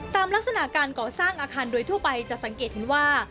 ลักษณะการก่อสร้างอาคารโดยทั่วไปจะสังเกตเห็นว่า